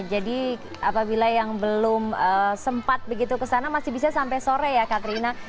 jadi apabila yang belum sempat begitu ke sana masih bisa sampai sore ya katrina